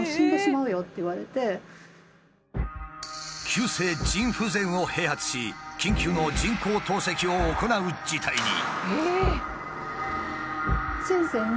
急性腎不全を併発し緊急の人工透析を行う事態に。